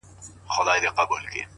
اوس مي ذهن كي دا سوال د چا د ياد ـ